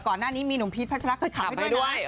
ก่อนหน้านี้มีหนุ่มพีชพระชะลักษณ์เคยขับให้ด้วยนะ